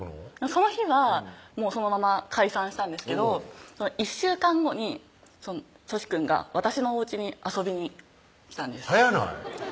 その日はそのまま解散したんですけど１週間後にとしくんが私のおうちに遊びに来たんです早ない？